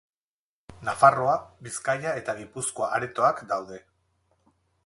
Nafarroa, Bizkaia eta Gipuzkoa aretoak daude.